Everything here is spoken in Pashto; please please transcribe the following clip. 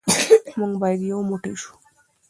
موږ باید یو موټی شو.